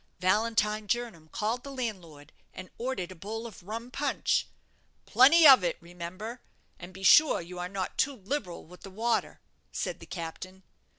Valentine Jernam called the landlord, and ordered a bowl of rum punch. "Plenty of it, remember, and be sure you are not too liberal with the water," said the captain.